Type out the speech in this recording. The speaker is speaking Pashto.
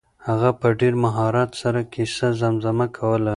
هغه په ډېر مهارت سره کیسه زمزمه کوله.